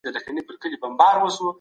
ایا مغولو په خپله خوښه اسلام قبول کړ؟